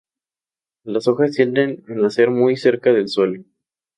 Las hojas tienden a nacer muy cerca del suelo.